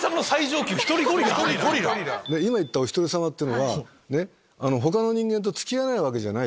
今言った「お一人様」ってのは他の人間と付き合えないわけじゃない。